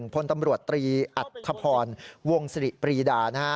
พลตำรวจตรีอัตภพรวงศรีปรีดา